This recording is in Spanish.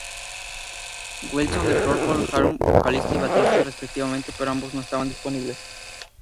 Wilson de Procol Harum, vocalista y baterista respectivamente, pero ambos no estaban disponibles.